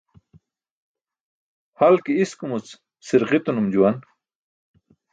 Hal ke iskumuc si̇rġitinum juwan.